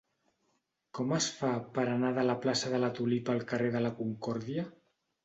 Com es fa per anar de la plaça de la Tulipa al carrer de la Concòrdia?